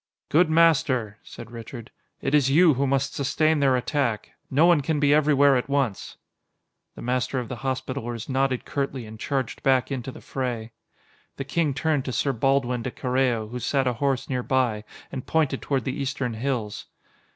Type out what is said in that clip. "Good Master," said Richard, "it is you who must sustain their attack. No one can be everywhere at once." The Master of the Hospitallers nodded curtly and charged back into the fray. The King turned to Sir Baldwin de Carreo, who sat ahorse nearby, and pointed toward the eastern hills.